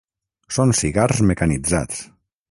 Són cigars mecanitzats.